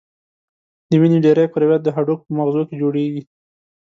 د وینې ډېری کرویات د هډوکو په مغزو کې جوړیږي.